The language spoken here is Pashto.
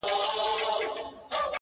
څه وکړمه څنگه چاته ښه ووايم;